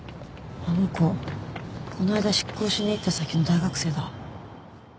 あの子この間執行しに行った先の大学生だ。